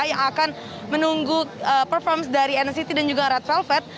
yang akan menunggu performance dari nct dan juga red velvet